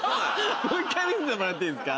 もう一回見せてもらっていいですか？